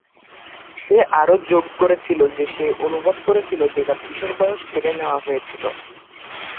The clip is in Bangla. সে আরও যোগ করেছিল যে সে অনুভব করেছিল যে তার "কিশোর বয়স কেড়ে নেওয়া হয়েছিল"।